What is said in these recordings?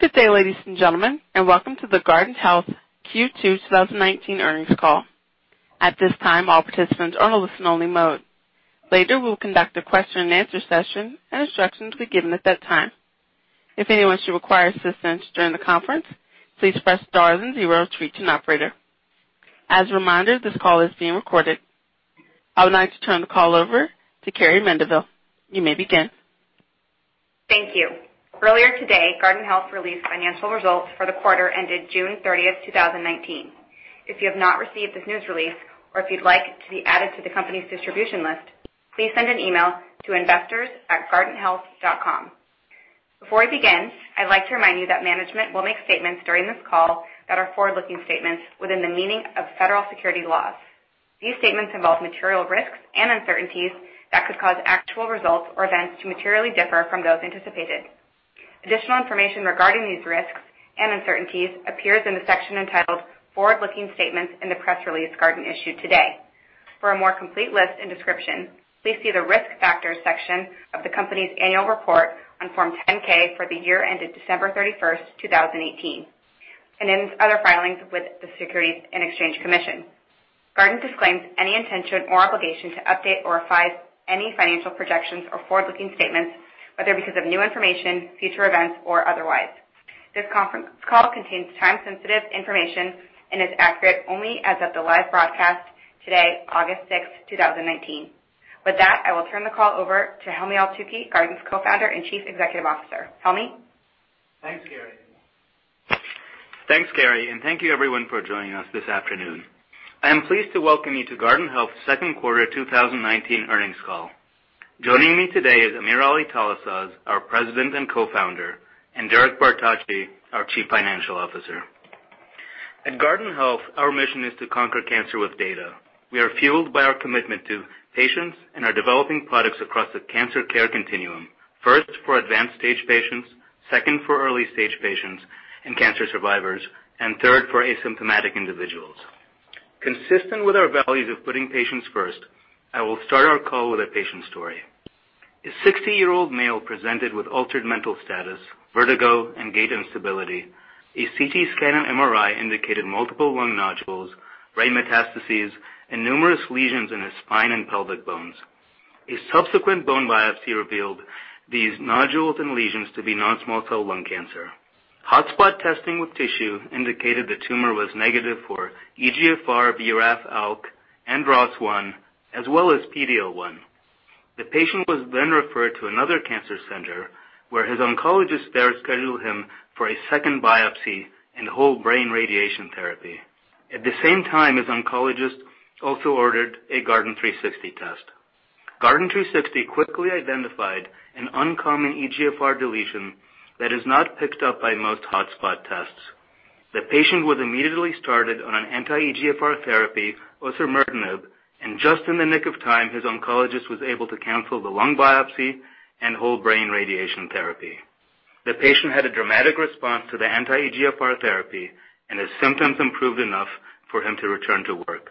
Good day, ladies and gentlemen, and welcome to the Guardant Health Q2 2019 earnings call. At this time, all participants are in a listen-only mode. Later, we'll conduct a question and answer session, and instructions will be given at that time. If anyone should require assistance during the conference, please press star and zero to reach an operator. As a reminder, this call is being recorded. I would like to turn the call over to Carrie Mandeville. You may begin. Thank you. Earlier today, Guardant Health released financial results for the quarter ended June 30th, 2019. If you have not received this news release, or if you'd like to be added to the company's distribution list, please send an email to investors@guardanthealth.com. Before we begin, I'd like to remind you that management will make statements during this call that are forward-looking statements within the meaning of federal securities laws. These statements involve material risks and uncertainties that could cause actual results or events to materially differ from those anticipated. Additional information regarding these risks and uncertainties appears in the section entitled Forward-Looking Statements in the press release Guardant issued today. For a more complete list and description, please see the Risk Factors section of the company's annual report on Form 10-K for the year ended December 31st, 2018, and in other filings with the Securities and Exchange Commission. Guardant disclaims any intention or obligation to update or revise any financial projections or forward-looking statements, whether because of new information, future events, or otherwise. This conference call contains time-sensitive information and is accurate only as of the live broadcast today, August 6, 2019. With that, I will turn the call over to Helmy Eltoukhy, Guardant's Co-Founder and Chief Executive Officer. Helmy. Thanks, Carrie. Thank you everyone for joining us this afternoon. I am pleased to welcome you to Guardant Health's second quarter 2019 earnings call. Joining me today is AmirAli Talasaz, our President and Co-Founder, and Derek Bertocci, our Chief Financial Officer. At Guardant Health, our mission is to conquer cancer with data. We are fueled by our commitment to patients and are developing products across the cancer care continuum. First, for advanced stage patients, second, for early stage patients and cancer survivors, and third, for asymptomatic individuals. Consistent with our values of putting patients first, I will start our call with a patient story. A 60-year-old male presented with altered mental status, vertigo, and gait instability. A CT scan and MRI indicated multiple lung nodules, brain metastases, and numerous lesions in his spine and pelvic bones. A subsequent bone biopsy revealed these nodules and lesions to be non-small cell lung cancer. Hot spot testing with tissue indicated the tumor was negative for EGFR, BRAF, ALK, and ROS1, as well as PD-L1. The patient was referred to another cancer center, where his oncologist there scheduled him for a second biopsy and whole brain radiation therapy. At the same time, his oncologist also ordered a Guardant360 test. Guardant360 quickly identified an uncommon EGFR deletion that is not picked up by most hot spot tests. The patient was immediately started on an anti-EGFR therapy, osimertinib, just in the nick of time, his oncologist was able to cancel the lung biopsy and whole brain radiation therapy. The patient had a dramatic response to the anti-EGFR therapy, his symptoms improved enough for him to return to work.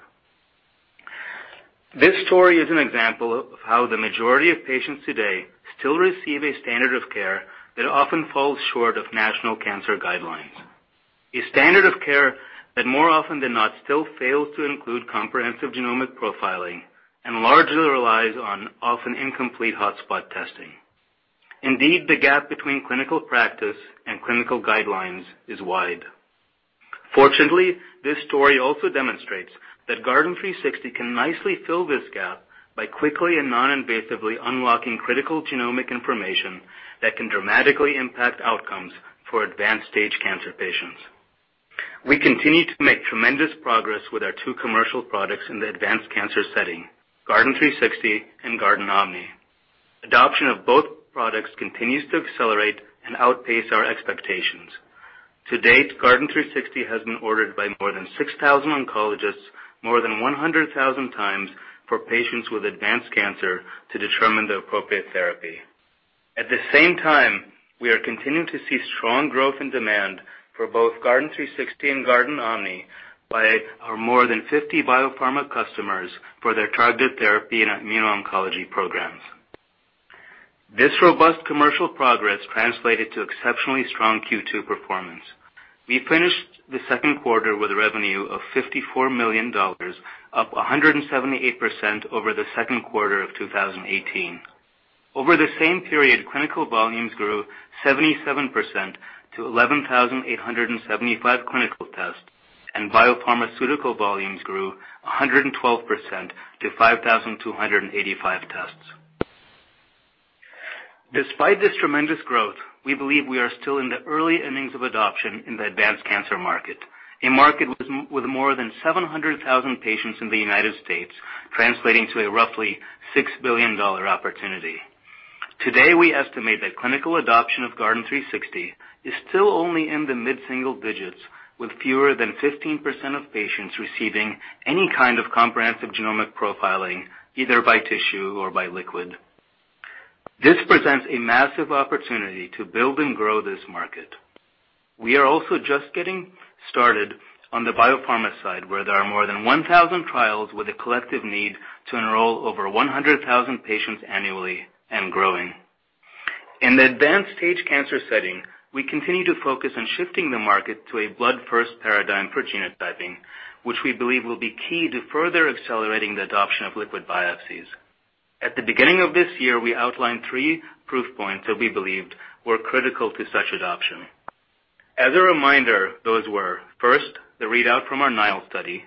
This story is an example of how the majority of patients today still receive a standard of care that often falls short of national cancer guidelines. A standard of care that more often than not still fails to include comprehensive genomic profiling and largely relies on often incomplete hot spot testing. Indeed, the gap between clinical practice and clinical guidelines is wide. Fortunately, this story also demonstrates that Guardant360 can nicely fill this gap by quickly and non-invasively unlocking critical genomic information that can dramatically impact outcomes for advanced stage cancer patients. We continue to make tremendous progress with our two commercial products in the advanced cancer setting, Guardant360 and GuardantOMNI. Adoption of both products continues to accelerate and outpace our expectations. To date, Guardant360 has been ordered by more than 6,000 oncologists, more than 100,000 times for patients with advanced cancer to determine the appropriate therapy. At the same time, we are continuing to see strong growth and demand for both Guardant360 and GuardantOMNI by our more than 50 biopharma customers for their targeted therapy and immuno-oncology programs. This robust commercial progress translated to exceptionally strong Q2 performance. We finished the second quarter with a revenue of $54 million, up 178% over the second quarter of 2018. Over the same period, clinical volumes grew 77% to 11,875 clinical tests, and biopharmaceutical volumes grew 112% to 5,285 tests. Despite this tremendous growth, we believe we are still in the early innings of adoption in the advanced cancer market, a market with more than 700,000 patients in the U.S., translating to a roughly $6 billion opportunity. Today, we estimate that clinical adoption of Guardant360 is still only in the mid-single digits, with fewer than 15% of patients receiving any kind of comprehensive genomic profiling, either by tissue or by liquid. This presents a massive opportunity to build and grow this market. We are also just getting started on the biopharma side, where there are more than 1,000 trials with a collective need to enroll over 100,000 patients annually and growing. In the advanced stage cancer setting, we continue to focus on shifting the market to a blood first paradigm for genotyping, which we believe will be key to further accelerating the adoption of liquid biopsies. At the beginning of this year, we outlined three proof points that we believed were critical to such adoption. As a reminder, those were, first, the readout from our NILE study,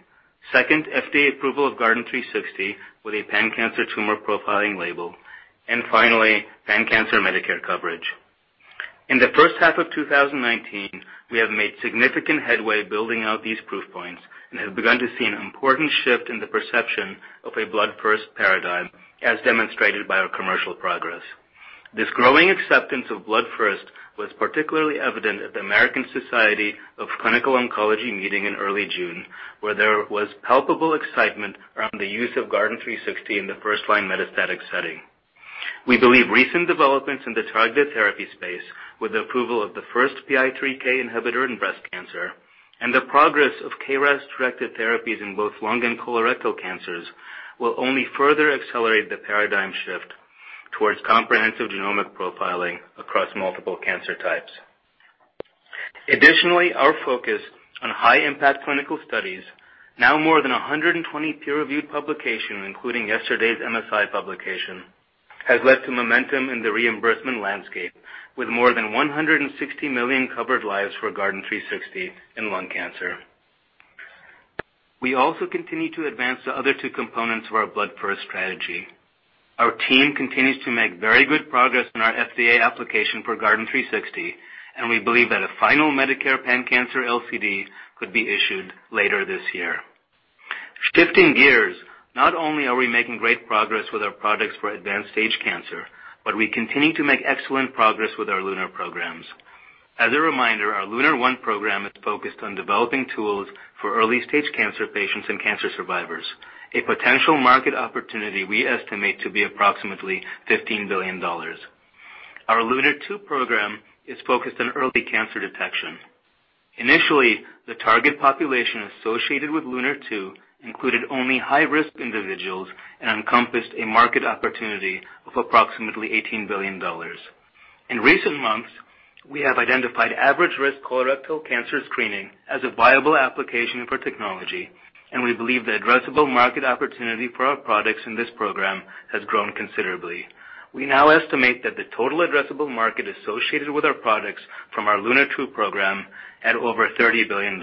second, FDA approval of Guardant360 with a pan-cancer tumor profiling label, and finally, pan-cancer Medicare coverage. In the first half of 2019, we have made significant headway building out these proof points and have begun to see an important shift in the perception of a blood first paradigm, as demonstrated by our commercial progress. This growing acceptance of blood first was particularly evident at the American Society of Clinical Oncology meeting in early June, where there was palpable excitement around the use of Guardant360 in the first-line metastatic setting. We believe recent developments in the targeted therapy space with the approval of the first PI3K inhibitor in breast cancer and the progress of KRAS directed therapies in both lung and colorectal cancers will only further accelerate the paradigm shift towards comprehensive genomic profiling across multiple cancer types. Additionally, our focus on high impact clinical studies, now more than 120 peer-reviewed publications, including yesterday's MSI publication, has led to momentum in the reimbursement landscape, with more than 160 million covered lives for Guardant360 in lung cancer. We also continue to advance the other two components of our blood first strategy. Our team continues to make very good progress in our FDA application for Guardant360. We believe that a final Medicare pan-cancer LCD could be issued later this year. Shifting gears, not only are we making great progress with our products for advanced stage cancer, but we continue to make excellent progress with our LUNAR programs. As a reminder, our LUNAR-1 program is focused on developing tools for early-stage cancer patients and cancer survivors, a potential market opportunity we estimate to be approximately $15 billion. Our LUNAR-2 program is focused on early cancer detection. Initially, the target population associated with LUNAR-2 included only high risk individuals and encompassed a market opportunity of approximately $18 billion. In recent months, we have identified average risk colorectal cancer screening as a viable application for technology, and we believe the addressable market opportunity for our products in this program has grown considerably. We now estimate that the total addressable market associated with our products from our LUNAR-2 program at over $30 billion.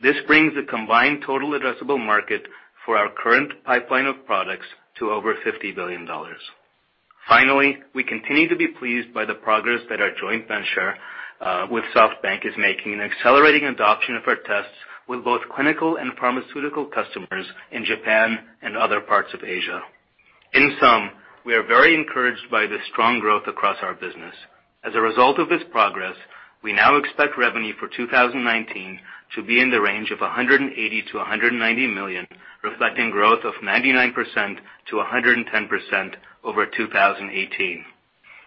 This brings the combined total addressable market for our current pipeline of products to over $50 billion. We continue to be pleased by the progress that our joint venture with SoftBank is making in accelerating adoption of our tests with both clinical and pharmaceutical customers in Japan and other parts of Asia. We are very encouraged by the strong growth across our business. As a result of this progress, we now expect revenue for 2019 to be in the range of $180 million-$190 million, reflecting growth of 99%-110% over 2018.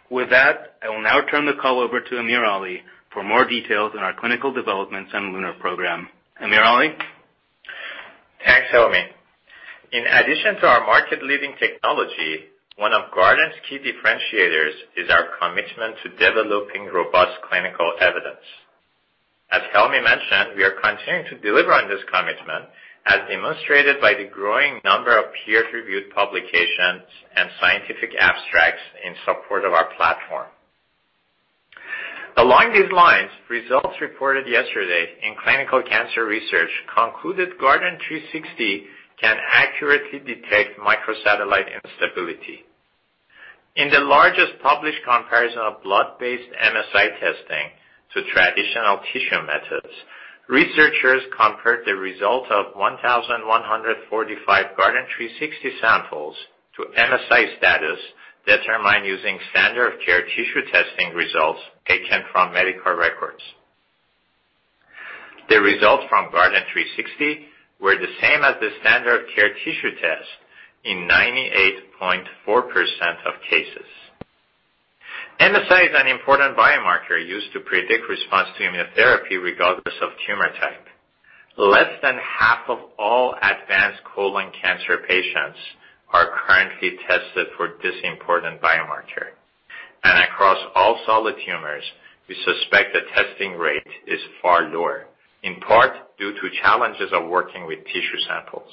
With that, I will now turn the call over to AmirAli for more details on our clinical developments and LUNAR program. AmirAli. Thanks, Helmy. In addition to our market leading technology, one of Guardant's key differentiators is our commitment to developing robust clinical evidence. As Helmy mentioned, we are continuing to deliver on this commitment, as demonstrated by the growing number of peer-reviewed publications and scientific abstracts in support of our platform. Along these lines, results reported yesterday in clinical cancer research concluded Guardant360 can accurately detect microsatellite instability. In the largest published comparison of blood-based MSI testing to traditional tissue methods, researchers compared the result of 1,145 Guardant360 samples to MSI status determined using standard of care tissue testing results taken from medical records. The results from Guardant360 were the same as the standard of care tissue test in 98.4% of cases. MSI is an important biomarker used to predict response to immunotherapy regardless of tumor type. Less than half of all advanced colon cancer patients are currently tested for this important biomarker. Across all solid tumors, we suspect the testing rate is far lower, in part due to challenges of working with tissue samples.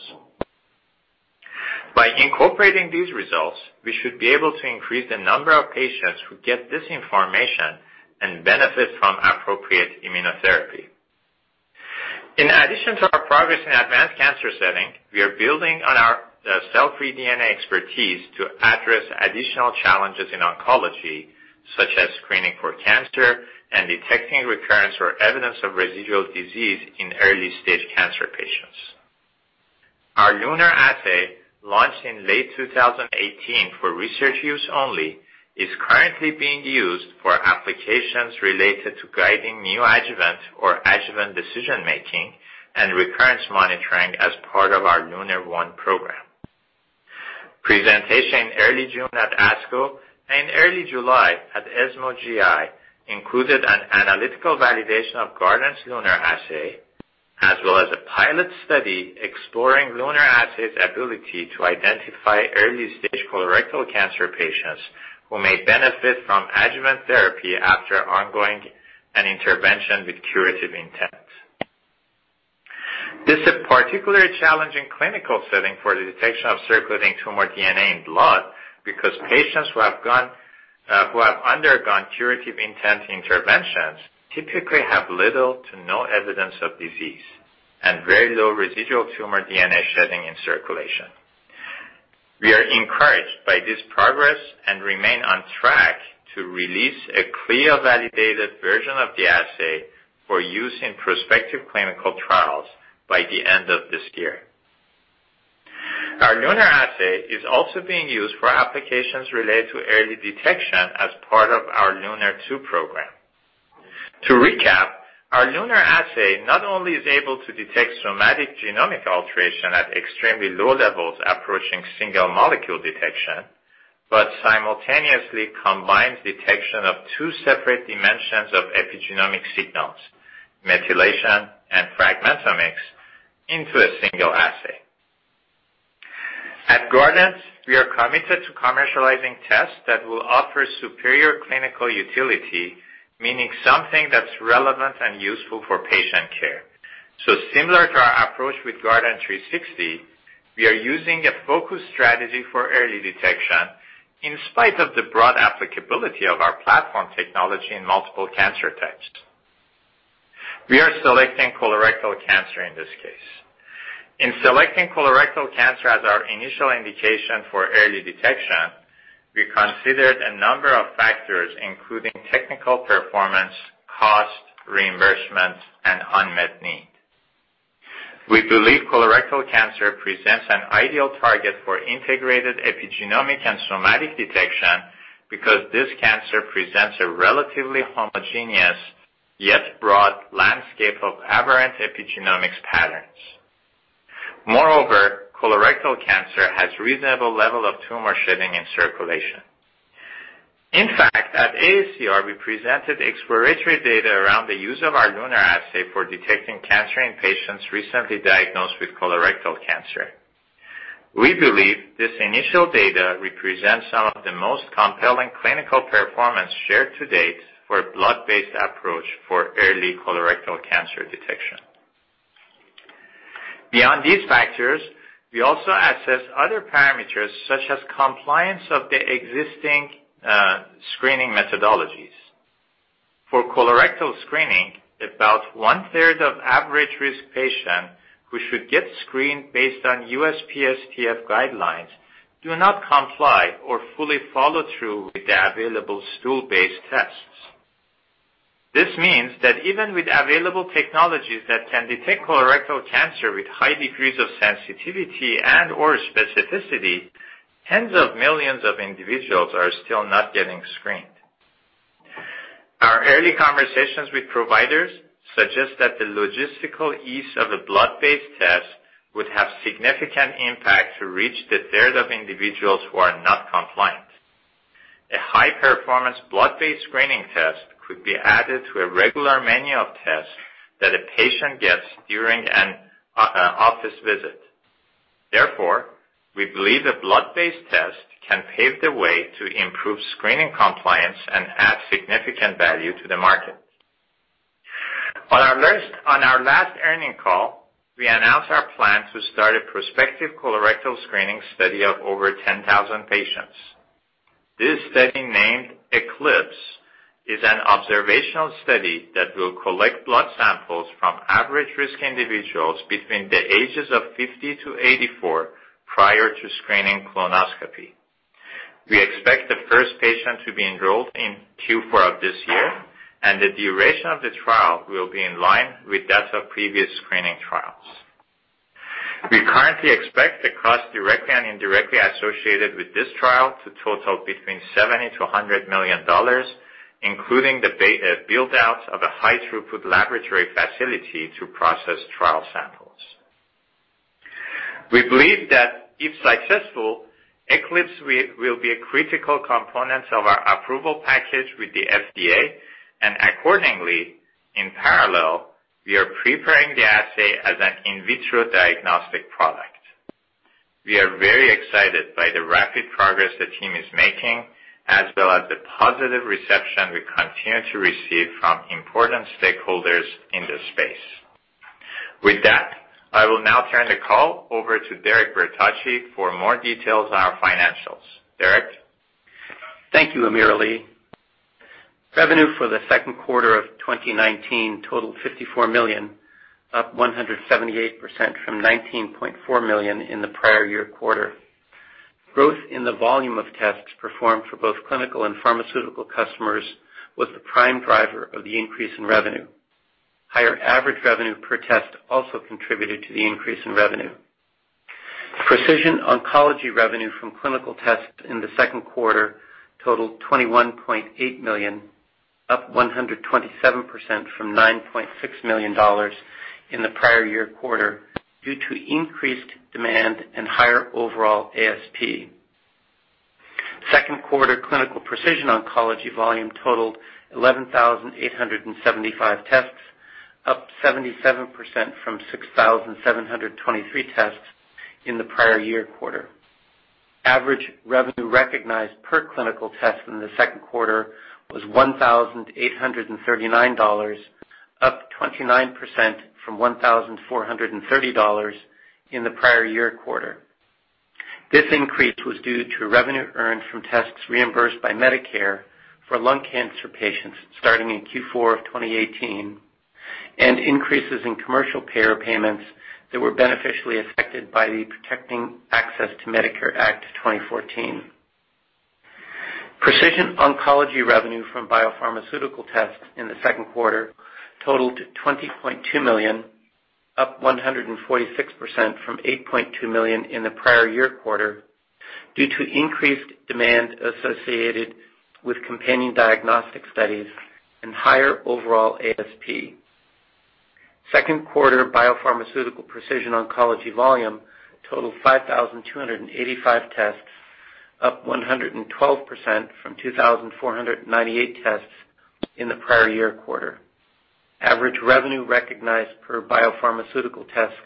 By incorporating these results, we should be able to increase the number of patients who get this information and benefit from appropriate immunotherapy. In addition to our progress in advanced cancer setting, we are building on our cell-free DNA expertise to address additional challenges in oncology, such as screening for cancer and detecting recurrence or evidence of residual disease in early-stage cancer patients. Our LUNAR assay, launched in late 2018 for research use only, is currently being used for applications related to guiding neoadjuvant or adjuvant decision-making and recurrence monitoring as part of our LUNAR-1 program. Presentation in early June at ASCO and early July at ESMO GI included an analytical validation of Guardant's LUNAR assay, as well as a pilot study exploring LUNAR assay's ability to identify early-stage colorectal cancer patients who may benefit from adjuvant therapy after ongoing an intervention with curative intent. This is particularly challenging clinical setting for the detection of circulating tumor DNA in blood because patients who have undergone curative intent interventions typically have little to no evidence of disease and very low residual tumor DNA shedding in circulation. We are encouraged by this progress and remain on track to release a CLIA-validated version of the assay for use in prospective clinical trials by the end of this year. Our LUNAR assay is also being used for applications related to early detection as part of our LUNAR-2 program. To recap, our LUNAR assay not only is able to detect somatic genomic alteration at extremely low levels, approaching single molecule detection, but simultaneously combines detection of two separate dimensions of epigenomic signals, methylation and fragmentomics, into a single assay. At Guardant, we are committed to commercializing tests that will offer superior clinical utility, meaning something that's relevant and useful for patient care. Similar to our approach with Guardant360, we are using a focused strategy for early detection in spite of the broad applicability of our platform technology in multiple cancer types. We are selecting colorectal cancer in this case. In selecting colorectal cancer as our initial indication for early detection, we considered a number of factors, including technical performance, cost, reimbursements, and unmet need. We believe colorectal cancer presents an ideal target for integrated epigenomic and somatic detection because this cancer presents a relatively homogeneous, yet broad, landscape of aberrant epigenomics patterns. Moreover, colorectal cancer has reasonable level of tumor shedding in circulation. In fact, at AACR, we presented exploratory data around the use of our LUNAR assay for detecting cancer in patients recently diagnosed with colorectal cancer. We believe this initial data represents some of the most compelling clinical performance shared to date for a blood-based approach for early colorectal cancer detection. Beyond these factors, we also assess other parameters, such as compliance of the existing screening methodologies. For colorectal screening, about one-third of average-risk patients who should get screened based on USPSTF guidelines do not comply or fully follow through with the available stool-based tests. This means that even with available technologies that can detect colorectal cancer with high degrees of sensitivity and/or specificity, tens of millions of individuals are still not getting screened. Our early conversations with providers suggest that the logistical ease of a blood-based test would have significant impact to reach the third of individuals who are not compliant. A high-performance blood-based screening test could be added to a regular menu of tests that a patient gets during an office visit. We believe a blood-based test can pave the way to improve screening compliance and add significant value to the market. On our last earnings call, we announced our plan to start a prospective colorectal screening study of over 10,000 patients. This study, named ECLIPSE, is an observational study that will collect blood samples from average-risk individuals between the ages of 50 to 84 prior to screening colonoscopy. We expect the first patient to be enrolled in Q4 of this year, and the duration of the trial will be in line with that of previous screening trials. We currently expect the cost directly and indirectly associated with this trial to total between $70 million-$100 million, including the build-outs of a high throughput laboratory facility to process trial samples. We believe that, if successful, ECLIPSE will be a critical component of our approval package with the FDA, and accordingly, in parallel, we are preparing the assay as an in vitro diagnostic product. We are very excited by the rapid progress the team is making, as well as the positive reception we continue to receive from important stakeholders in this space. With that, I will now turn the call over to Derek Bertocci for more details on our financials. Derek? Thank you, AmirAli Talasaz. Revenue for the second quarter of 2019 totaled $54 million, up 178% from $19.4 million in the prior year quarter. Growth in the volume of tests performed for both clinical and pharmaceutical customers was the prime driver of the increase in revenue. Higher average revenue per test also contributed to the increase in revenue. Precision oncology revenue from clinical tests in the second quarter totaled $21.8 million, up 127% from $9.6 million in the prior year quarter, due to increased demand and higher overall ASP. Second quarter clinical precision oncology volume totaled 11,875 tests, up 77% from 6,723 tests in the prior year quarter. Average revenue recognized per clinical test in the second quarter was $1,839, up 29% from $1,430 in the prior year quarter. This increase was due to revenue earned from tests reimbursed by Medicare for lung cancer patients starting in Q4 of 2018, and increases in commercial payer payments that were beneficially affected by the Protecting Access to Medicare Act of 2014. Precision oncology revenue from biopharmaceutical tests in the second quarter totaled $20.2 million, up 146% from $8.2 million in the prior year quarter, due to increased demand associated with companion diagnostic studies and higher overall ASP. Second quarter biopharmaceutical precision oncology volume totaled 5,285 tests, up 112% from 2,498 tests in the prior year quarter. Average revenue recognized per biopharmaceutical test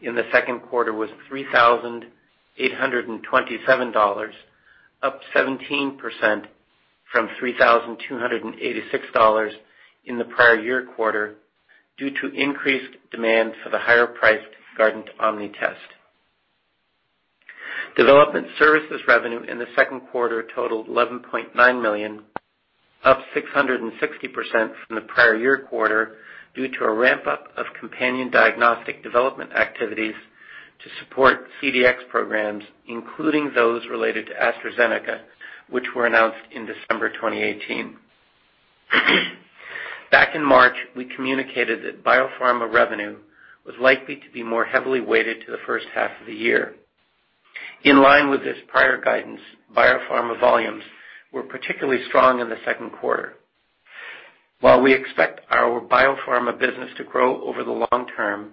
in the second quarter was $3,827, up 17% from $3,286 in the prior year quarter, due to increased demand for the higher priced GuardantOMNI test. Development services revenue in the second quarter totaled $11.9 million, up 660% from the prior year quarter, due to a ramp-up of companion diagnostic development activities to support CDx programs, including those related to AstraZeneca, which were announced in December 2018. Back in March, we communicated that biopharma revenue was likely to be more heavily weighted to the first half of the year. In line with this prior guidance, biopharma volumes were particularly strong in the second quarter. While we expect our biopharma business to grow over the long term,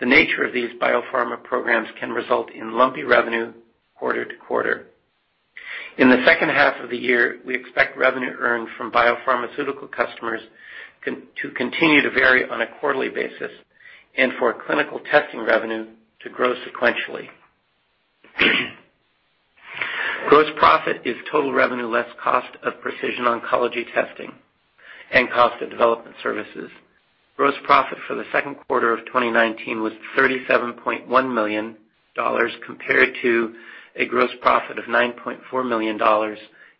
the nature of these biopharma programs can result in lumpy revenue quarter to quarter. In the second half of the year, we expect revenue earned from biopharmaceutical customers to continue to vary on a quarterly basis, and for clinical testing revenue to grow sequentially. Gross profit is total revenue less cost of precision oncology testing and cost of development services. Gross profit for the second quarter of 2019 was $37.1 million, compared to a gross profit of $9.4 million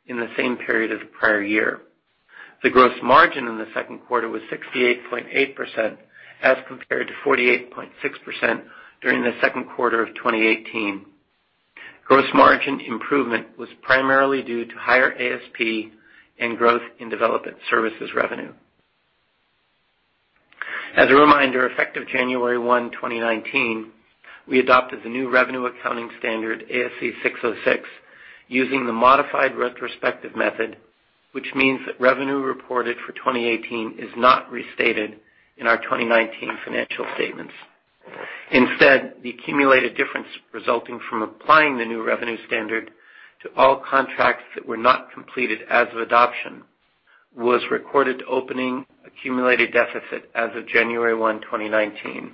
in the same period of the prior year. The gross margin in the second quarter was 68.8%, as compared to 48.6% during the second quarter of 2018. Gross margin improvement was primarily due to higher ASP and growth in development services revenue. As a reminder, effective January 1, 2019, we adopted the new revenue accounting standard ASC 606, using the modified retrospective method, which means that revenue reported for 2018 is not restated in our 2019 financial statements. Instead, the accumulated difference resulting from applying the new revenue standard to all contracts that were not completed as of adoption was recorded to opening accumulated deficit as of January 1, 2019.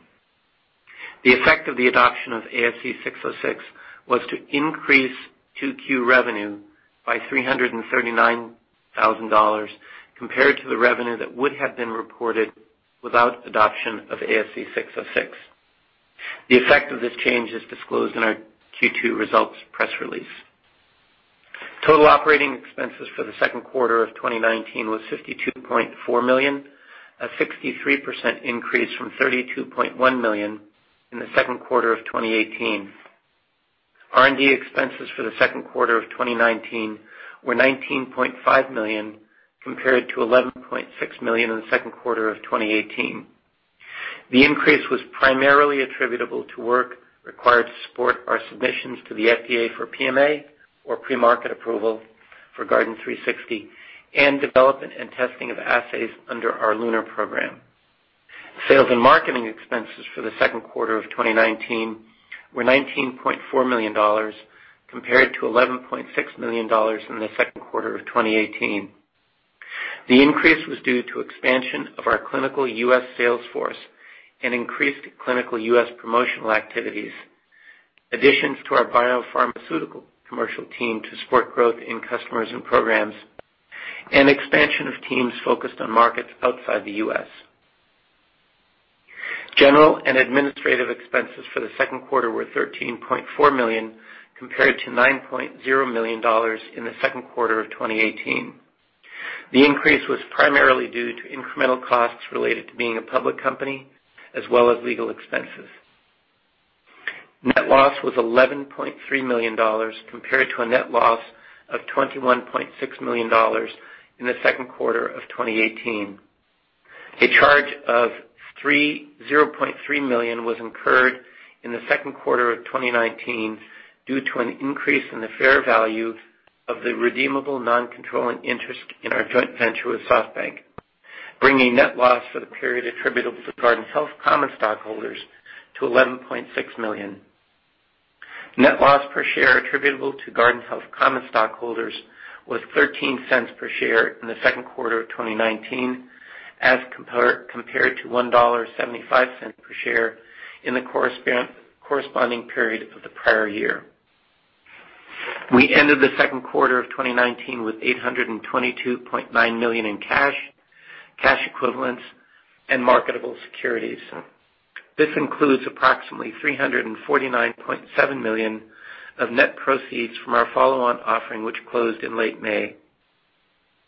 The effect of the adoption of ASC 606 was to increase 2Q revenue by $339,000 compared to the revenue that would have been reported without adoption of ASC 606. The effect of this change is disclosed in our Q2 results press release. Total operating expenses for the second quarter of 2019 was $52.4 million, a 63% increase from $32.1 million in the second quarter of 2018. R&D expenses for the second quarter of 2019 were $19.5 million, compared to $11.6 million in the second quarter of 2018. The increase was primarily attributable to work required to support our submissions to the FDA for PMA, or pre-market approval, for Guardant360, and development and testing of assays under our LUNAR program. Sales and marketing expenses for the second quarter of 2019 were $19.4 million, compared to $11.6 million in the second quarter of 2018. The increase was due to expansion of our clinical U.S. sales force and increased clinical U.S. promotional activities, additions to our biopharmaceutical commercial team to support growth in customers and programs, and expansion of teams focused on markets outside the U.S. General and administrative expenses for the second quarter were $13.4 million, compared to $9.0 million in the second quarter of 2018. The increase was primarily due to incremental costs related to being a public company as well as legal expenses. Net loss was $11.3 million, compared to a net loss of $21.6 million in the second quarter of 2018. A charge of $0.3 million was incurred in the second quarter of 2019 due to an increase in the fair value of the redeemable non-controlling interest in our joint venture with SoftBank, bringing net loss for the period attributable to Guardant Health common stockholders to $11.6 million. Net loss per share attributable to Guardant Health common stockholders was $0.13 per share in the second quarter of 2019 as compared to $1.75 per share in the corresponding period of the prior year. We ended the second quarter of 2019 with $822.9 million in cash equivalents, and marketable securities. This includes approximately $349.7 million of net proceeds from our follow-on offering, which closed in late May.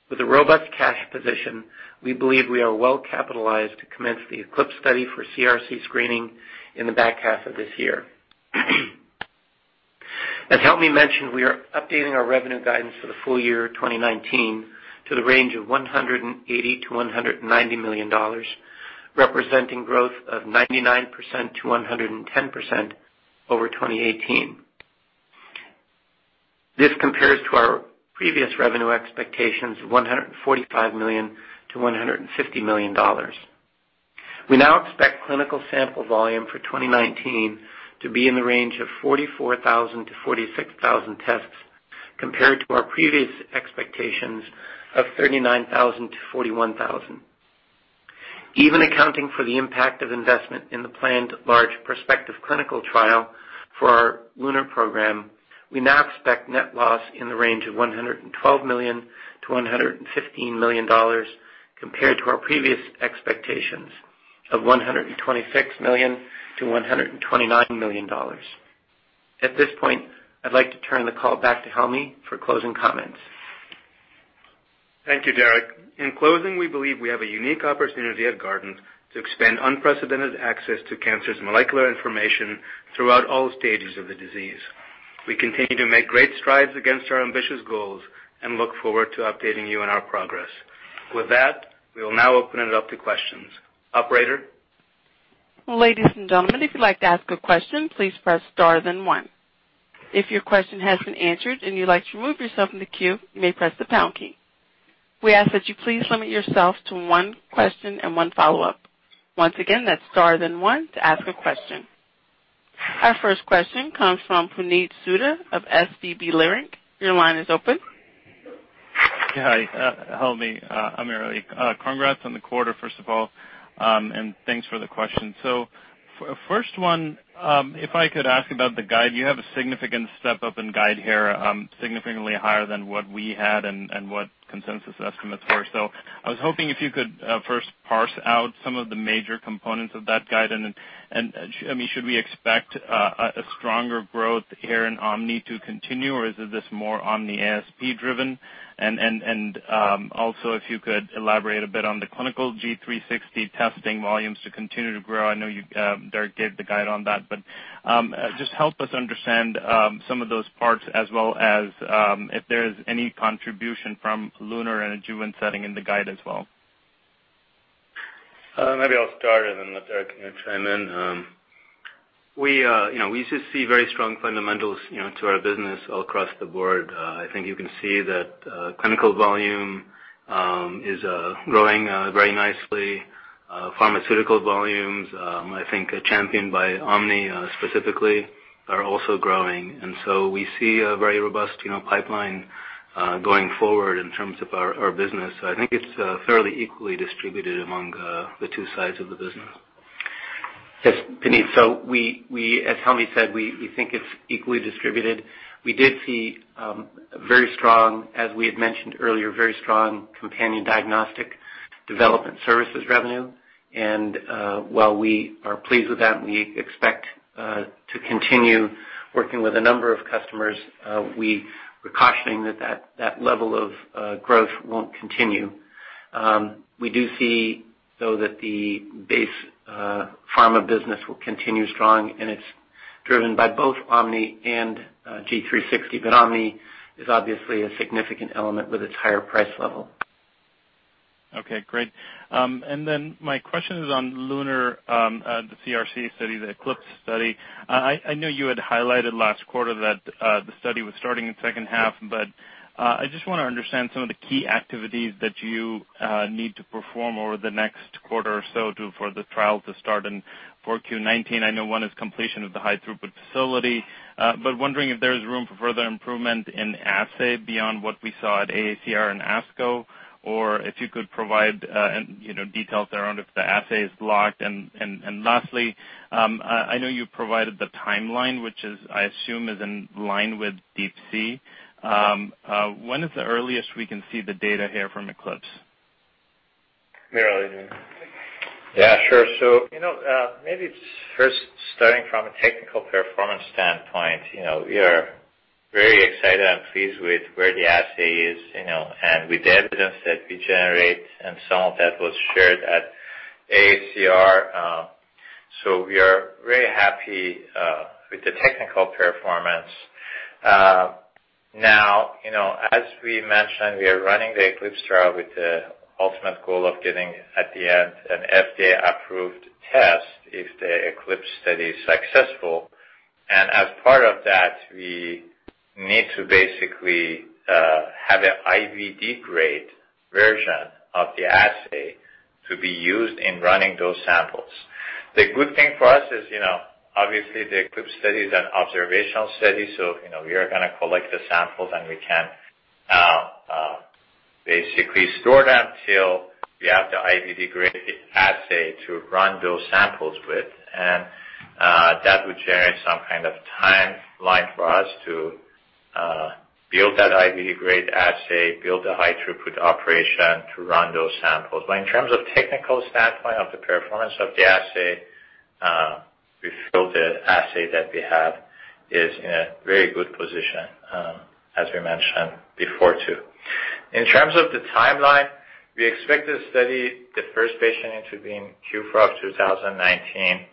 With a robust cash position, we believe we are well capitalized to commence the ECLIPSE study for CRC screening in the back half of this year. As Helmy mentioned, we are updating our revenue guidance for the full year 2019 to the range of $180 million-$190 million, representing growth of 99%-110% over 2018. This compares to our previous revenue expectations of $145 million-$150 million. We now expect clinical sample volume for 2019 to be in the range of 44,000-46,000 tests, compared to our previous expectations of 39,000-41,000. Even accounting for the impact of investment in the planned large prospective clinical trial for our LUNAR program, we now expect net loss in the range of $112 million-$115 million, compared to our previous expectations of $126 million-$129 million. At this point, I'd like to turn the call back to Helmy for closing comments. Thank you, Derek. In closing, we believe we have a unique opportunity at Guardant to expand unprecedented access to cancer's molecular information throughout all stages of the disease. We continue to make great strides against our ambitious goals and look forward to updating you on our progress. With that, we will now open it up to questions. Operator? Ladies and gentlemen, if you'd like to ask a question, please press star then one. If your question has been answered and you'd like to remove yourself from the queue, you may press the pound key. We ask that you please limit yourself to one question and one follow-up. Once again, that's star then one to ask a question. Our first question comes from Puneet Souda of SVB Leerink. Your line is open. Hi, Helmy. I'm early. Congrats on the quarter, first of all, and thanks for the question. First one, if I could ask about the guide. You have a significant step-up in guide here, significantly higher than what we had and what consensus estimates were. I was hoping if you could first parse out some of the major components of that guide and then, should we expect a stronger growth here in Omni to continue, or is this more Omni ASP driven? Also, if you could elaborate a bit on the clinical G360 testing volumes to continue to grow. I know you, Derek, gave the guide on that, just help us understand some of those parts as well as if there's any contribution from LUNAR and Aduro setting in the guide as well. Maybe I'll start and then let Derek chime in. We just see very strong fundamentals to our business all across the board. I think you can see that clinical volume is growing very nicely. Pharmaceutical volumes, I think championed by GuardantOMNI specifically, are also growing. We see a very robust pipeline going forward in terms of our business. I think it's fairly equally distributed among the two sides of the business. Yes, Puneet. As Helmy said, we think it's equally distributed. We did see, as we had mentioned earlier, very strong companion diagnostic development services revenue. While we are pleased with that and we expect to continue working with a number of customers, we're cautioning that level of growth won't continue. We do see, though, that the base pharma business will continue strong, and it's driven by both GuardantOMNI and Guardant360, but GuardantOMNI is obviously a significant element with its higher price level. Okay, great. My question is on LUNAR, the CRC study, the ECLIPSE study. I know you had highlighted last quarter that the study was starting in the second half, but I just want to understand some of the key activities that you need to perform over the next quarter or so for the trial to start in 4Q 2019. I know one is completion of the high throughput facility. Wondering if there's room for further improvement in assay beyond what we saw at AACR and ASCO, or if you could provide details around if the assay is locked. Lastly, I know you provided the timeline, which is I assume is in line with Deep Sea. When is the earliest we can see the data here from ECLIPSE? Yeah, sure. Maybe it's first starting from a technical performance standpoint. We are very excited and pleased with where the assay is and with the evidence that we generate, and some of that was shared at AACR. We are very happy with the technical performance. Now, as we mentioned, we are running the ECLIPSE trial with the ultimate goal of getting, at the end, an FDA-approved test if the ECLIPSE study is successful. As part of that, we need to basically have an IVD-grade version of the assay to be used in running those samples. The good thing for us is, obviously, the ECLIPSE study is an observational study, so we are going to collect the samples, and we can basically store them till we have the IVD-grade assay to run those samples with. That would generate some kind of timeline for us to build that IVD-grade assay, build a high throughput operation to run those samples. In terms of technical standpoint of the performance of the assay, we feel the assay that we have is in a very good position, as we mentioned before, too. In terms of the timeline, we expect to study the first patient to be in Q4 of 2019.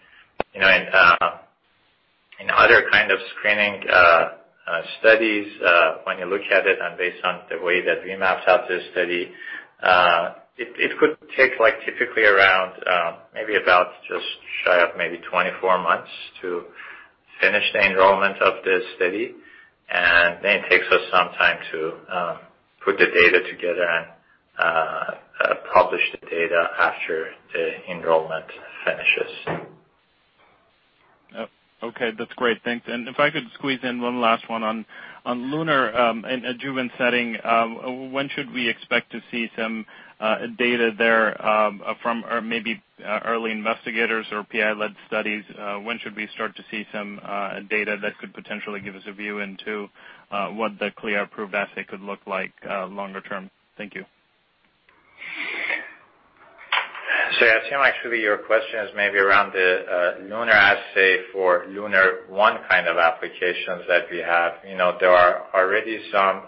In other kind of screening studies, when you look at it and based on the way that we mapped out this study, it could take typically around maybe about just shy of maybe 24 months to finish the enrollment of this study. Then it takes us some time to put the data together and publish the data after the enrollment finishes. Okay. That's great. Thanks. If I could squeeze in one last one on LUNAR in a adjuvant setting. When should we expect to see some data there from, or maybe early investigators or PI-led studies? When should we start to see some data that could potentially give us a view into what the CLIA-approved assay could look like longer term? Thank you. I assume, actually, your question is maybe around the LUNAR assay for LUNAR-1 kind of applications that we have. There are already some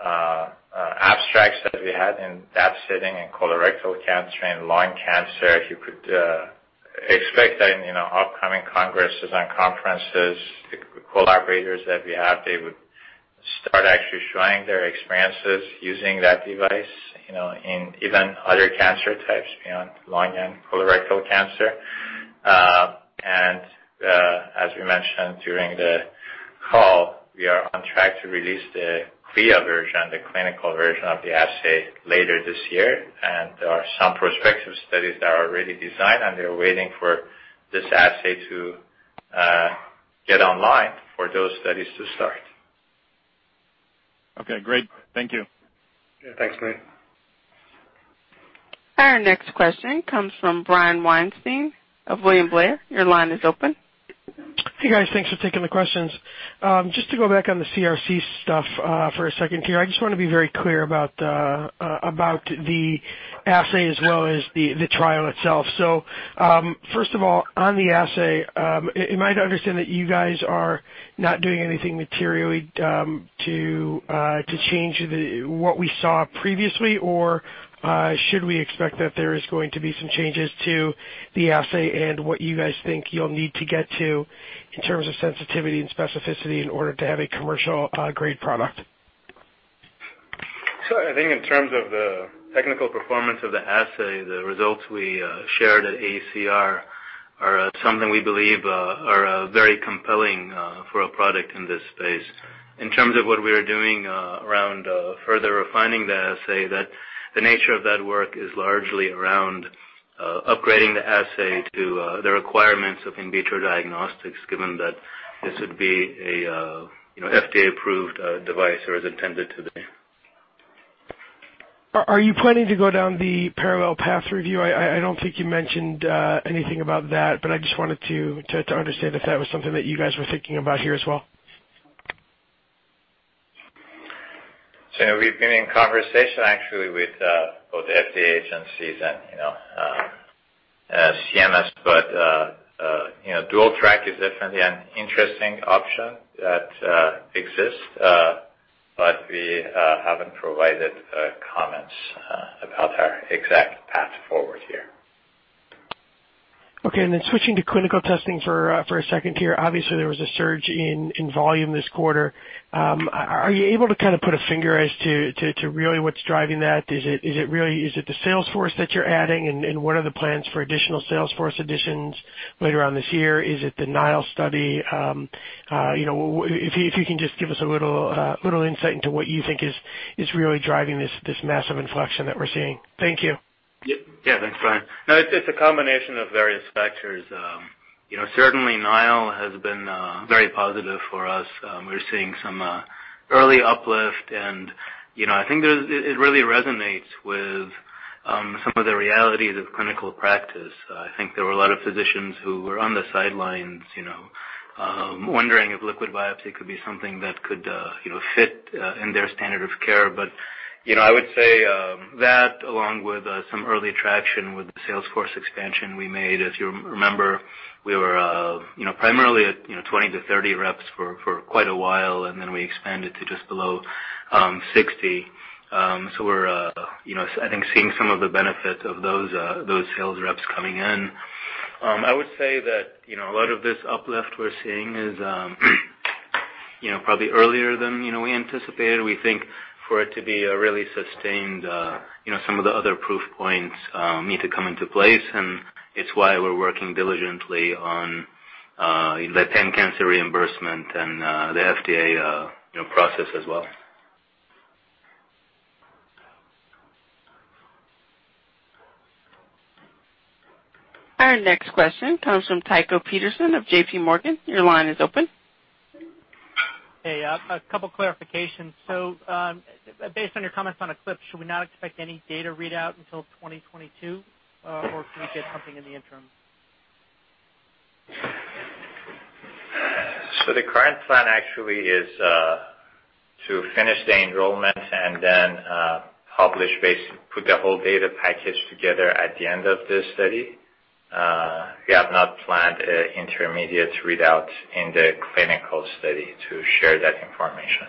abstracts that we had in that setting in colorectal cancer and lung cancer. If you could expect in upcoming congresses and conferences, the collaborators that we have, they would start actually showing their experiences using that device, in even other cancer types beyond lung and colorectal cancer. As we mentioned during the call, we are on track to release the CLIA version, the clinical version of the assay later this year. There are some prospective studies that are already designed, and they're waiting for this assay to get online for those studies to start. Okay, great. Thank you. Yeah, thanks, Brian. Our next question comes from Brian Weinstein of William Blair. Your line is open. Hey, guys. Thanks for taking the questions. Just to go back on the CRC stuff for a second here, I just want to be very clear about the assay as well as the trial itself. First of all, on the assay, am I to understand that you guys are not doing anything materially to change what we saw previously? Should we expect that there is going to be some changes to the assay and what you guys think you'll need to get to in terms of sensitivity and specificity in order to have a commercial-grade product? I think in terms of the technical performance of the assay, the results we shared at AACR are something we believe are very compelling for a product in this space. In terms of what we are doing around further refining the assay, the nature of that work is largely around upgrading the assay to the requirements of in vitro diagnostics, given that this would be a FDA-approved device or is intended to be. Are you planning to go down the parallel path review? I don't think you mentioned anything about that, I just wanted to understand if that was something that you guys were thinking about here as well. We've been in conversation actually with both the FDA agencies and CMS. Dual track is definitely an interesting option that exists. We haven't provided comments about our exact path forward here. Okay. Switching to clinical testing for a second here. Obviously, there was a surge in volume this quarter. Are you able to put a finger as to really what's driving that? Is it the sales force that you're adding, and what are the plans for additional sales force additions later on this year? Is it the NILE study? If you can just give us a little insight into what you think is really driving this massive inflection that we're seeing. Thank you. Yeah. Thanks, Brian. It's a combination of various factors. Certainly, NILE has been very positive for us. We're seeing some early uplift, and I think it really resonates with some of the realities of clinical practice. I think there were a lot of physicians who were on the sidelines wondering if liquid biopsy could be something that could fit in their standard of care. I would say that along with some early traction with the sales force expansion we made. If you remember, we were primarily at 20 to 30 reps for quite a while, and then we expanded to just below 60. We're, I think, seeing some of the benefit of those sales reps coming in. I would say that a lot of this uplift we're seeing is probably earlier than we anticipated. We think for it to be really sustained, some of the other proof points need to come into place, and it's why we're working diligently on the pan cancer reimbursement and the FDA process as well. Our next question comes from Tycho Peterson of J.P. Morgan. Your line is open. Hey, a couple clarifications. Based on your comments on ECLIPSE, should we not expect any data readout until 2022, or can we get something in the interim? The current plan actually is to finish the enrollment and then put the whole data package together at the end of this study. We have not planned an intermediate readout in the clinical study to share that information.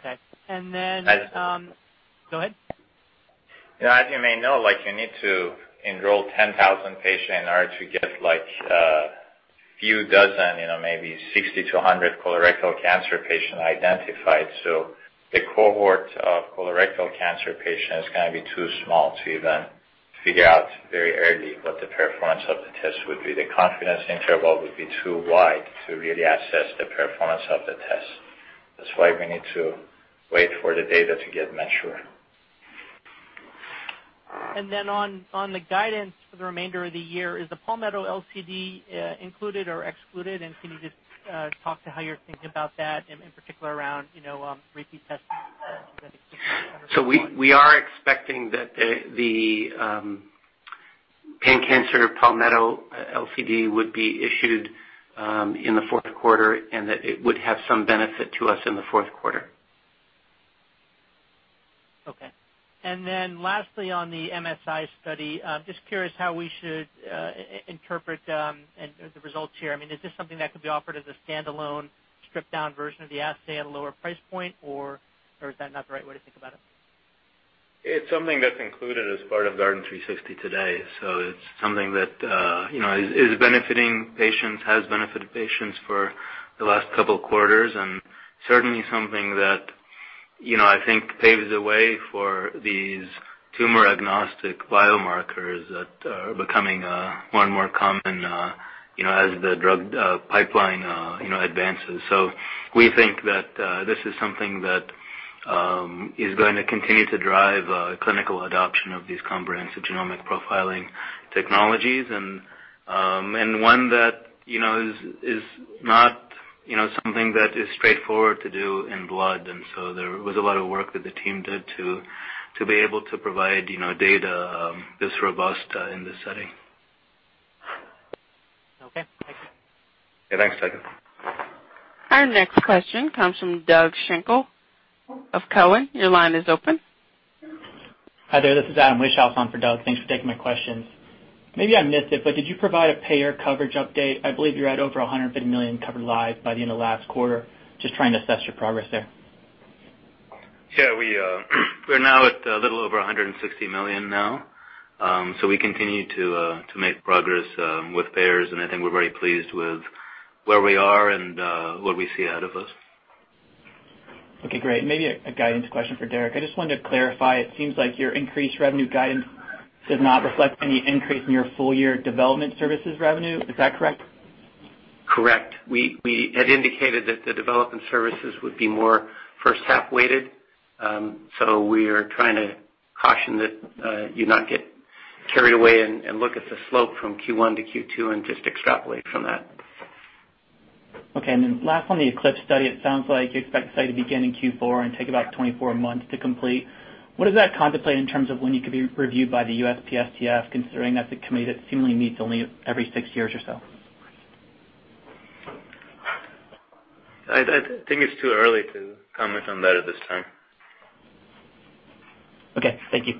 Okay. As- Go ahead. As you may know, you need to enroll 10,000 patients in order to get a few dozen, maybe 60 to 100 colorectal cancer patients identified. The cohort of colorectal cancer patients is going to be too small to even figure out very early what the performance of the test would be. The confidence interval would be too wide to really assess the performance of the test. That's why we need to wait for the data to get mature. On the guidance for the remainder of the year, is the Palmetto LCD included or excluded? Can you just talk to how you're thinking about that, and in particular, around repeat testing? We are expecting that the pan cancer Palmetto LCD would be issued in the fourth quarter, and that it would have some benefit to us in the fourth quarter. Okay. Lastly, on the MSI study, just curious how we should interpret the results here. Is this something that could be offered as a standalone stripped-down version of the assay at a lower price point, or is that not the right way to think about it? It's something that's included as part of Guardant360 today. It's something that is benefiting patients, has benefited patients for the last couple of quarters, and certainly something that I think paves the way for these tumor-agnostic biomarkers that are becoming more and more common as the drug pipeline advances. We think that this is something that is going to continue to drive clinical adoption of these comprehensive genomic profiling technologies and one that is not something that is straightforward to do in blood. There was a lot of work that the team did to be able to provide data this robust in this setting. Okay. Thanks. Yeah, thanks, Tycho. Our next question comes from Doug Schenkel of Cowen. Your line is open. Hi there. This is Adam Wieschhaus off for Doug. Thanks for taking my questions. Maybe I missed it, did you provide a payer coverage update? I believe you're at over 150 million covered lives by the end of last quarter. Just trying to assess your progress there. Yeah, we're now at a little over $160 million now. We continue to make progress with payers, and I think we're very pleased with where we are and what we see out of this. Okay, great. Maybe a guidance question for Derek. I just wanted to clarify, it seems like your increased revenue guidance does not reflect any increase in your full-year development services revenue. Is that correct? Correct. We had indicated that the development services would be more first half weighted. We are trying to caution that you not get carried away and look at the slope from Q1 to Q2 and just extrapolate from that. Okay. Last on the ECLIPSE study, it sounds like you expect the study to begin in Q4 and take about 24 months to complete. What does that contemplate in terms of when you could be reviewed by the USPSTF, considering that's a committee that seemingly meets only every six years or so? I think it's too early to comment on that at this time. Okay. Thank you.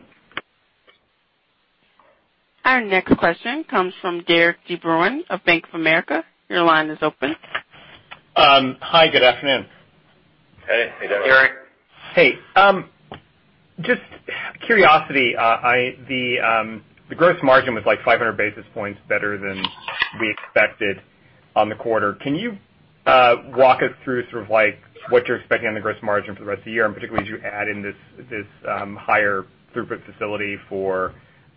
Our next question comes from Derik De Bruin of Bank of America. Your line is open. Hi, good afternoon. Hey. Hey, Derek. Hey. Just curiosity, the gross margin was like 500 basis points better than we expected on the quarter. Can you walk us through sort of what you're expecting on the gross margin for the rest of the year, and particularly as you add in this higher throughput facility for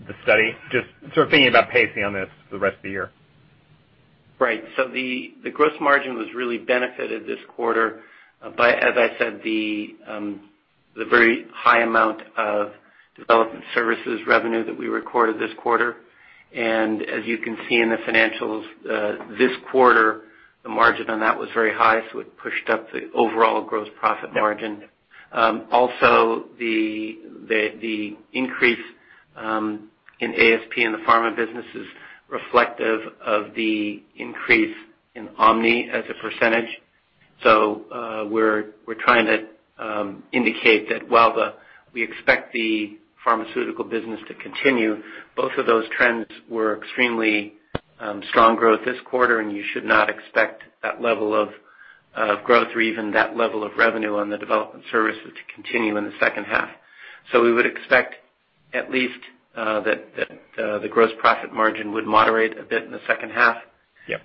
the study? Just sort of thinking about pacing on this for the rest of the year. Right. The gross margin was really benefited this quarter by, as I said, the very high amount of development services revenue that we recorded this quarter. As you can see in the financials, this quarter, the margin on that was very high, so it pushed up the overall gross profit margin. Also, the increase in ASP in the pharma business is reflective of the increase in GuardantOMNI as a percentage. We're trying to indicate that while we expect the pharmaceutical business to continue, both of those trends were extremely strong growth this quarter, and you should not expect that level of growth or even that level of revenue on the development services to continue in the second half. We would expect at least that the gross profit margin would moderate a bit in the second half. Yep.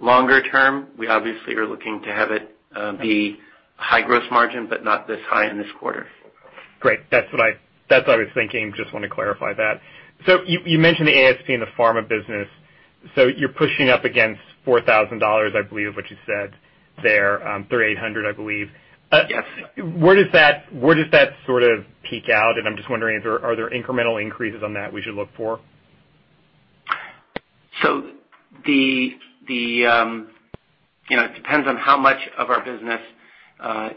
Longer term, we obviously are looking to have it be high growth margin, but not this high in this quarter. Great. That's what I was thinking. Just want to clarify that. You mentioned the ASP in the pharma business. You're pushing up against $4,000, I believe what you said there, $3,800, I believe. Yes. Where does that sort of peak out? I'm just wondering, are there incremental increases on that we should look for? It depends on how much of our business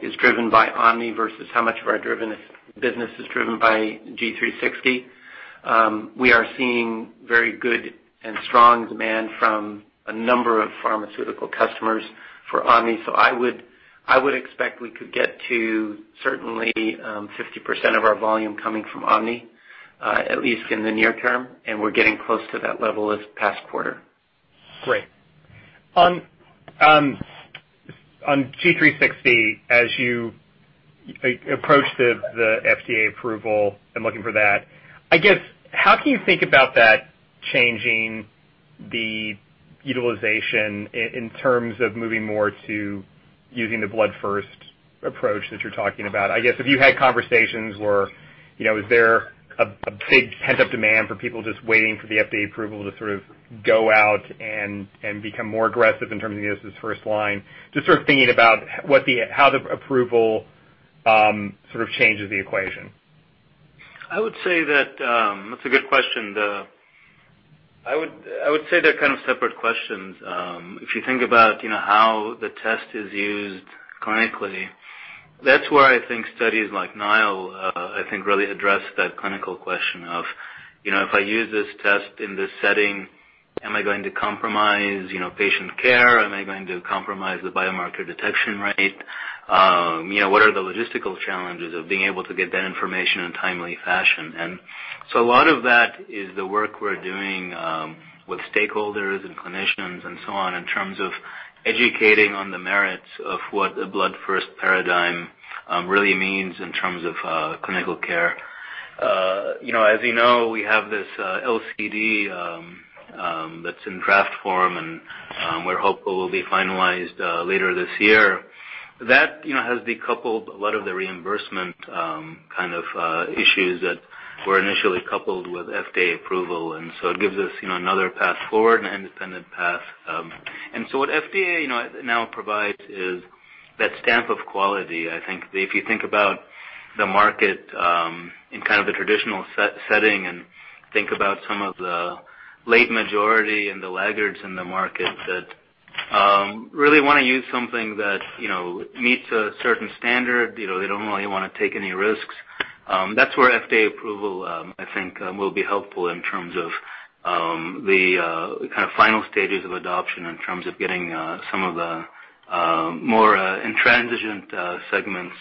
is driven by GuardantOMNI versus how much of our business is driven by Guardant360. We are seeing very good and strong demand from a number of pharmaceutical customers for GuardantOMNI. I would expect we could get to certainly 50% of our volume coming from GuardantOMNI, at least in the near term, and we're getting close to that level this past quarter. Great. On Guardant360, as you approach the FDA approval and looking for that, I guess, how can you think about that changing the utilization in terms of moving more to using the blood first approach that you're talking about? I guess, have you had conversations or is there a big pent-up demand for people just waiting for the FDA approval to sort of go out and become more aggressive in terms of using this first line? Just sort of thinking about how the approval sort of changes the equation. I would say that's a good question. I would say they're kind of separate questions. If you think about how the test is used clinically, that's where I think studies like NILE I think really address that clinical question of, if I use this test in this setting, am I going to compromise patient care? Am I going to compromise the biomarker detection rate? What are the logistical challenges of being able to get that information in a timely fashion? A lot of that is the work we're doing with stakeholders and clinicians and so on, in terms of educating on the merits of what a blood first paradigm really means in terms of clinical care. As you know, we have this LCD that's in draft form and we're hopeful will be finalized later this year. That has decoupled a lot of the reimbursement kind of issues that were initially coupled with FDA approval, and so it gives us another path forward, an independent path. What FDA now provides is that stamp of quality. I think if you think about the market in kind of the traditional setting and think about some of the late majority and the laggards in the market that really want to use something that meets a certain standard, they don't really want to take any risks. That's where FDA approval, I think, will be helpful in terms of the kind of final stages of adoption in terms of getting some of the more intransigent segments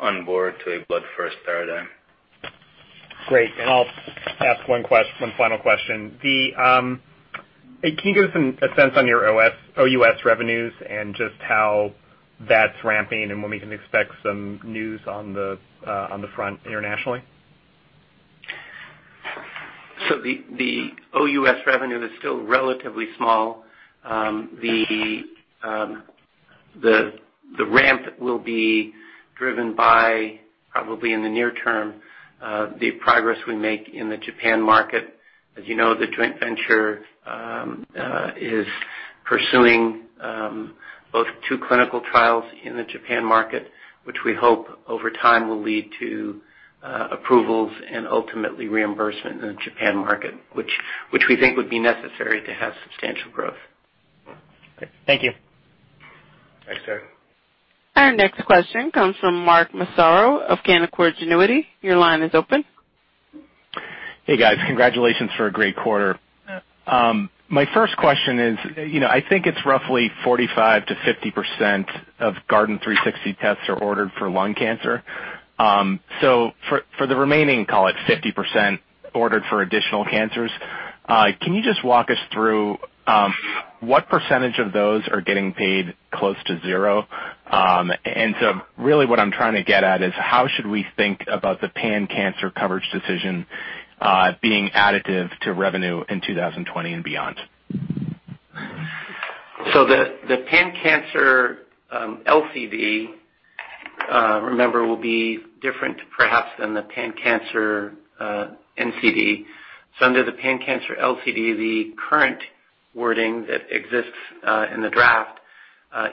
on board to a blood first paradigm. Great. I'll ask one final question. Can you give us a sense on your OUS revenues and just how that's ramping and when we can expect some news on the front internationally? The OUS revenue is still relatively small. The ramp will be driven by, probably in the near term, the progress we make in the Japan market. As you know, the joint venture is pursuing both two clinical trials in the Japan market, which we hope over time will lead to approvals and ultimately reimbursement in the Japan market, which we think would be necessary to have substantial growth. Great. Thank you. Thanks, Derik. Our next question comes from Mark Massaro of Canaccord Genuity. Your line is open. Hey, guys. Congratulations for a great quarter. My first question is, I think it's roughly 45%-50% of Guardant360 tests are ordered for lung cancer. For the remaining, call it 50% ordered for additional cancers, can you just walk us through what percentage of those are getting paid close to zero? Really what I'm trying to get at is how should we think about the pan-cancer coverage decision being additive to revenue in 2020 and beyond? The pan-cancer LCD, remember, will be different perhaps than the pan-cancer NCD. Under the pan-cancer LCD, the current wording that exists in the draft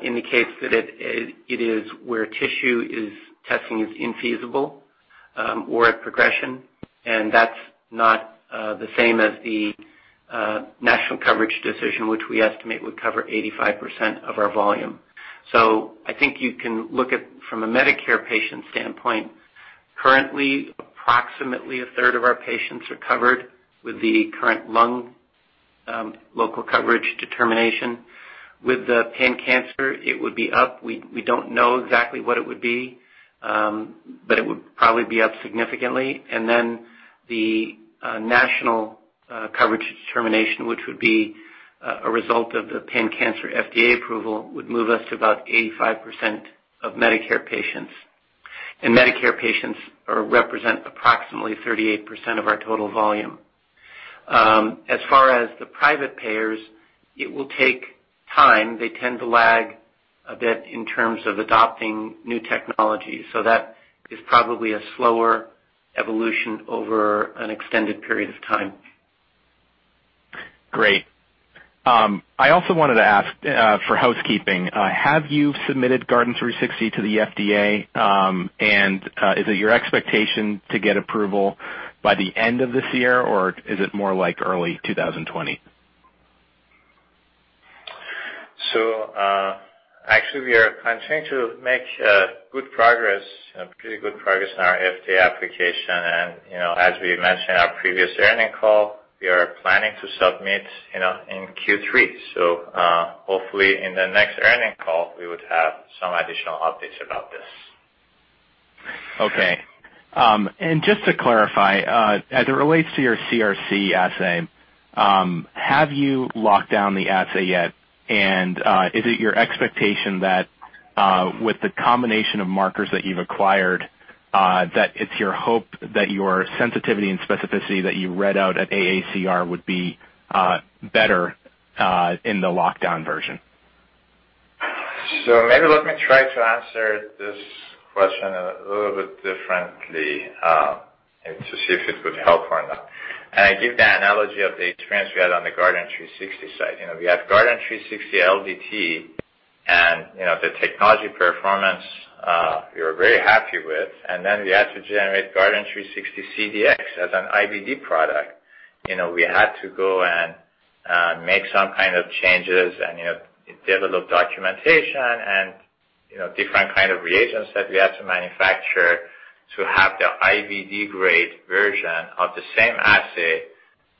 indicates that it is where tissue testing is infeasible or at progression, and that's not the same as the national coverage decision, which we estimate would cover 85% of our volume. I think you can look at, from a Medicare patient standpoint, currently approximately a third of our patients are covered with the current lung local coverage determination. With the pan-cancer, it would be up. We don't know exactly what it would be, but it would probably be up significantly. Then the national coverage determination, which would be a result of the pan-cancer FDA approval, would move us to about 85% of Medicare patients. Medicare patients represent approximately 38% of our total volume. As far as the private payers, it will take time. They tend to lag a bit in terms of adopting new technology, so that is probably a slower evolution over an extended period of time. Great. I also wanted to ask for housekeeping, have you submitted Guardant360 to the FDA? Is it your expectation to get approval by the end of this year, or is it more like early 2020? Actually, we are continuing to make good progress, pretty good progress on our FDA application. As we mentioned in our previous earnings call, we are planning to submit in Q3. Hopefully, in the next earnings call, we would have some additional updates about this. Okay. Just to clarify, as it relates to your CRC assay, have you locked down the assay yet? Is it your expectation that, with the combination of markers that you've acquired, that it's your hope that your sensitivity and specificity that you read out at AACR would be better in the lockdown version? Maybe let me try to answer this question a little bit differently, and to see if it would help or not. I give the analogy of the experience we had on the Guardant360 side. We have Guardant360 LDT and the technology performance we were very happy with, and then we had to generate Guardant360 CDx as an IVD product. We had to go and make some kind of changes and develop documentation and different kind of reagents that we had to manufacture to have the IVD grade version of the same assay.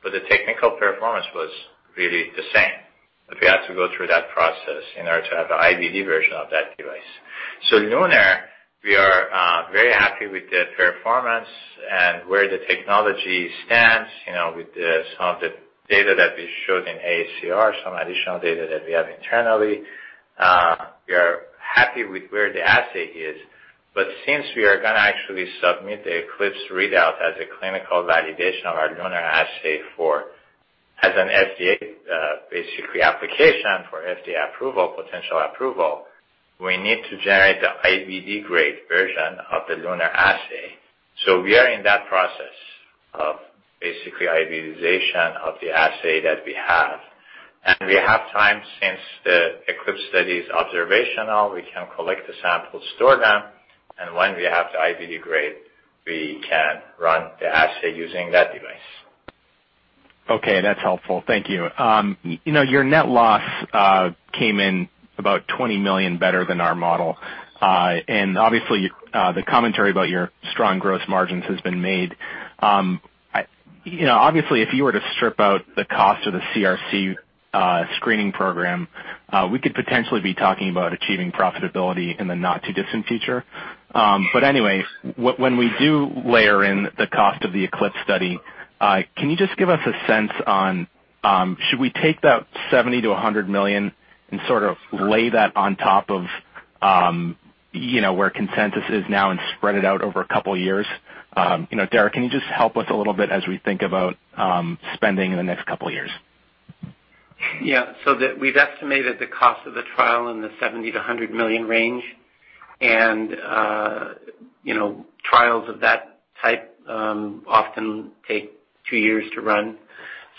The technical performance was really the same. We had to go through that process in order to have the IVD version of that device. LUNAR, we are very happy with the performance and where the technology stands with some of the data that we showed in AACR, some additional data that we have internally. We are happy with where the assay is, since we are going to actually submit the ECLIPSE readout as a clinical validation of our LUNAR assay as an FDA, basically application for FDA approval, potential approval, we need to generate the IVD grade version of the LUNAR assay. We have time since the ECLIPSE study's observational, we can collect the samples, store them, and when we have the IVD grade, we can run the assay using that device. Okay, that's helpful. Thank you. Your net loss came in about $20 million better than our model. Obviously, the commentary about your strong gross margins has been made. Obviously, if you were to strip out the cost of the CRC screening program, we could potentially be talking about achieving profitability in the not too distant future. Anyway, when we do layer in the cost of the ECLIPSE study, can you just give us a sense on, should we take that $70 million-$100 million and sort of lay that on top of where consensus is now and spread it out over a couple of years? Derek, can you just help us a little bit as we think about spending in the next couple of years? Yeah. We've estimated the cost of the trial in the $70 million-$100 million range. Trials of that type often take two years to run.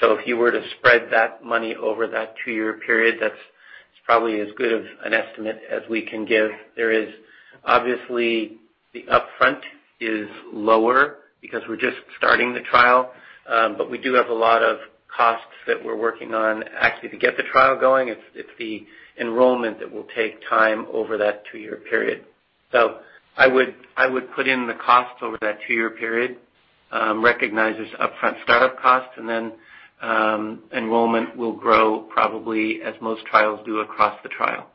If you were to spread that money over that two-year period, that's probably as good of an estimate as we can give. There is obviously the upfront is lower because we're just starting the trial. We do have a lot of costs that we're working on actually to get the trial going. It's the enrollment that will take time over that two-year period. I would put in the costs over that two-year period, recognize there's upfront startup costs. Then enrollment will grow probably as most trials do across the trial.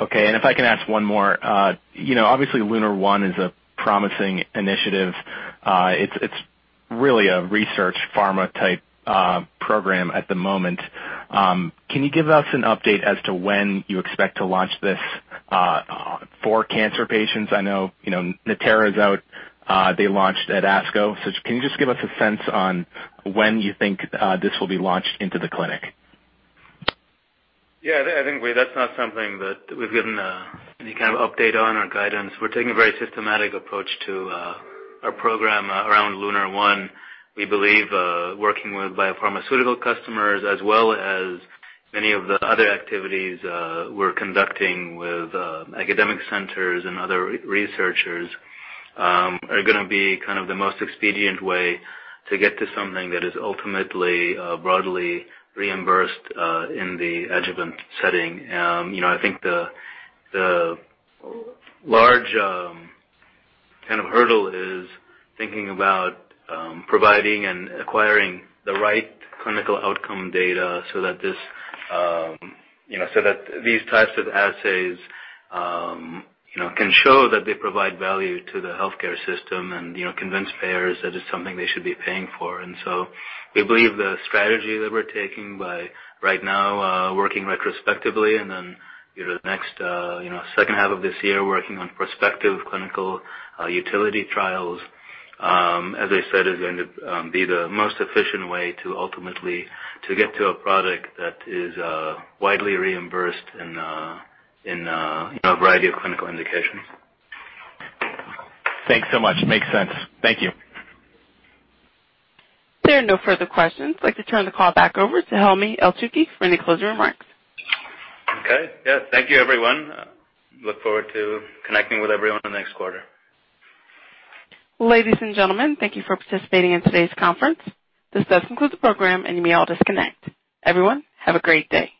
Okay. If I can ask one more. Obviously LUNAR-1 is a promising initiative. It's really a research pharma type program at the moment. Can you give us an update as to when you expect to launch this for cancer patients? I know Natera is out. They launched at ASCO. Can you just give us a sense on when you think this will be launched into the clinic? I think that's not something that we've given any kind of update on or guidance. We're taking a very systematic approach to our program around LUNAR-1. We believe working with biopharmaceutical customers as well as many of the other activities we're conducting with academic centers and other researchers are gonna be kind of the most expedient way to get to something that is ultimately broadly reimbursed in the adjuvant setting. I think the large kind of hurdle is thinking about providing and acquiring the right clinical outcome data so that these types of assays can show that they provide value to the healthcare system and convince payers that it's something they should be paying for. We believe the strategy that we're taking by right now, working retrospectively and then the next second half of this year, working on prospective clinical utility trials, as I said, is going to be the most efficient way to ultimately to get to a product that is widely reimbursed in a variety of clinical indications. Thanks so much. Makes sense. Thank you. There are no further questions. I'd like to turn the call back over to Helmy Eltoukhy for any closing remarks. Okay. Yeah. Thank you everyone. Look forward to connecting with everyone in the next quarter. Ladies and gentlemen, thank you for participating in today's conference. This does conclude the program and you may all disconnect. Everyone, have a great day.